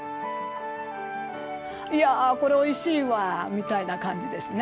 いやあこれおいしいわみたいな感じですね。